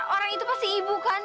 orang itu pasti ibu kan